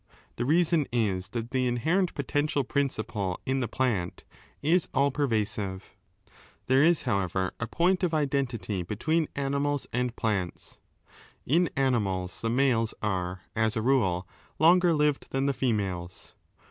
The reason is that the inherent potential principle in the plant is all pervasiva There is, however, a point of identity between animals and plants. In animals the males are, as a rule, longer lived than the females.